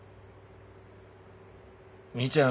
みーちゃん